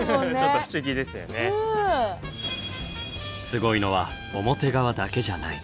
すごいのは表側だけじゃない。